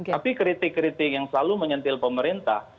tapi kritik kritik yang selalu menyentil pemerintah